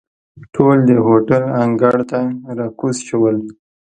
ټول د هوټل انګړ ته را کوز شول.